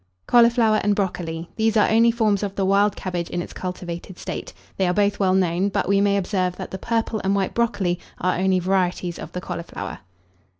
CAULIFLOWER AND BROCOLI. These are only forms of the wild Cabbage in its cultivated state. They are both well known; but we may observe, that the purple and white Brocoli are only varieties of the Cauliflower.